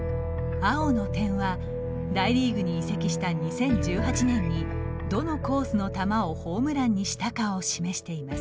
青の点は大リーグに移籍した２０１８年にどのコースの球をホームランにしたかを示しています。